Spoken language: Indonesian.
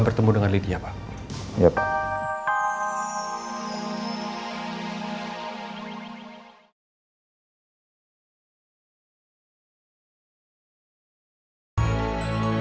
kalau ternyata apa yang menimpa perusahaan suaminya